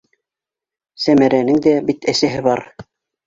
Сәмәрәнең дә бит әсәһе бар!